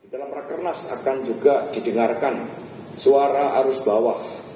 dalam rakernas akan juga didengarkan suara arus bawah